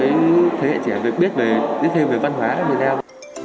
và tuyên truyền cho thế hệ trẻ biết thêm về văn hóa ở việt nam